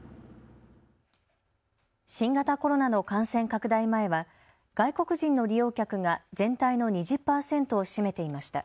新型コロナの感染拡大前は外国人の利用客が全体の２０％を占めていました。